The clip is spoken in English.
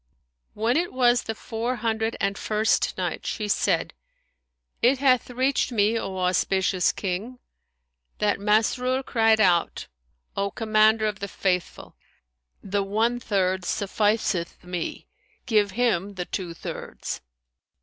When it was the Four Hundred and First Night, She said, It hath reached me, O auspicious King, that Masrur cried out, "O Commander of the Faithful! The one third sufficeth me; give him the two thirds."